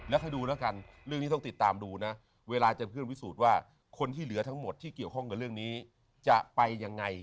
แล้วให้ดูแล้วกันเรื่องนี้ต้องติดตามดูนะเวลาจะเพื่อนพิสูจน์ว่าคนที่เหลือทั้งหมดที่เกี่ยวข้องกับเรื่องนี้จะไปยังไง